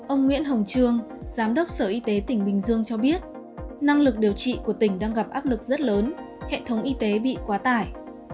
ông nguyễn hồng trương giám đốc sở y tế tỉnh bình dương cho biết năng lực điều trị của tỉnh đang gặp áp lực rất lớn hệ thống y tế bị quá tải